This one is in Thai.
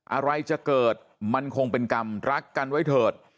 อะไรจะเกิดมันคงเป็นกรรมรักกันไว้เถิด